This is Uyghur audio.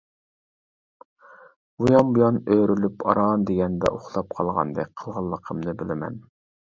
ئۇيان بۇيان ئۆرۈلۈپ ئاران دېگەندە ئۇخلاپ قالغاندەك قىلغانلىقىمنى بىلىمەن.